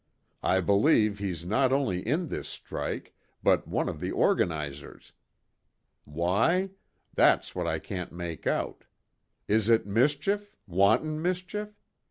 I believe he's not only in this strike, but one of the organizers. Why? That's what I can't make out. Is it mischief wanton mischief?